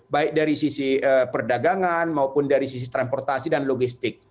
baik dari sisi perdagangan maupun dari sisi transportasi dan logistik